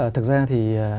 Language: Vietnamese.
thật ra thì